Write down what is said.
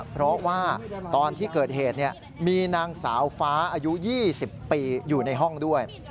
เพราะว่าตอนที่เกิดเหตุมีนางสาวฟ้าอายุ๒๐ปีอยู่ในห้องด้วย